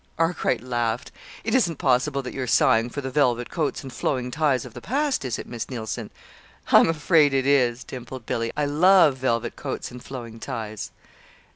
Arkwright laughed. "It isn't possible that you are sighing for the velvet coats and flowing ties of the past, is it, Miss Neilson?" "I'm afraid it is," dimpled Billy. "I love velvet coats and flowing ties!"